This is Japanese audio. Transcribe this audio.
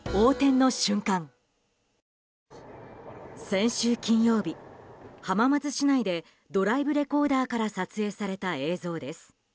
先週金曜日、浜松市内でドライブレコーダーから撮影された映像です。